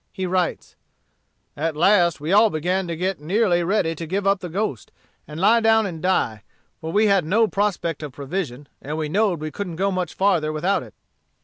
He writes: "At last we all began to get nearly ready to give up the ghost, and lie down and die, for we had no prospect of provision, and we knowed we couldn't go much farther without it."